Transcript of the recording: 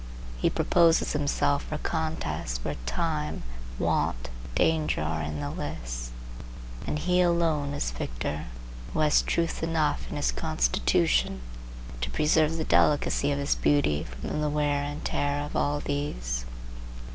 He proposes himself for contests where Time, Want, Danger, are in the lists, and he alone is victor who has truth enough in his constitution to preserve the delicacy of his beauty from the wear and tear of all these.